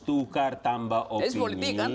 tukar tambah opini